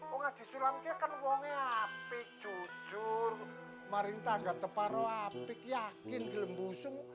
oh nggak disulam kan orangnya apik jujur maring tangga teparo apik yakin gelombusung